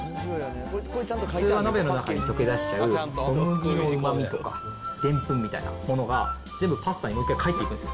普通は鍋の中に溶け出しちゃう小麦のうまみとか、でんぷんみたいなものが全部パスタにもう一回返っていくんです。